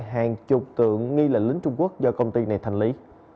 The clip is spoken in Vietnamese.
hàng chục tượng nghi là lính trung quốc do công ty này thành lý